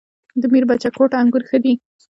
د میربچه کوټ انګور ښه دي